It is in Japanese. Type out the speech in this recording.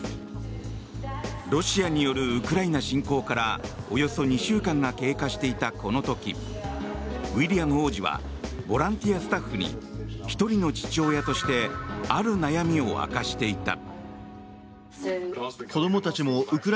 ロシアによるウクライナ侵攻からおよそ２週間が経過していたこの時ウィリアム王子はボランティアスタッフに１人の父親としてある悩みを明かしていた。